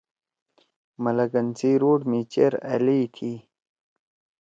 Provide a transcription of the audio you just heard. ملکنڈ سی روڈ می چیر ألئی تھی۔